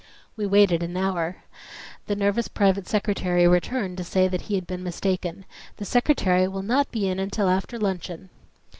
We waited an hour. The nervous private secretary returned to say that he had been mistaken. "The Secretary will not be in until after luncheon."